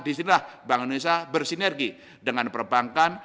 disinilah bank indonesia bersinergi dengan perbankan